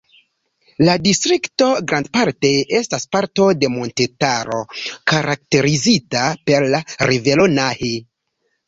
La distrikto grandparte estas parto de montetaro karakterizita per la rivero Nahe.